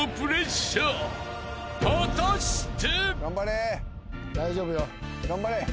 ［果たして？］